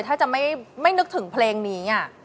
ถ้าจะไม่นึกถึงเพลงนี้